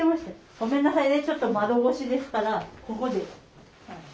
ごめんなさいねちょっと窓越しですからここで。